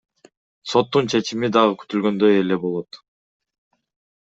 Соттун чечими дагы күтүлгөндөй эле болот.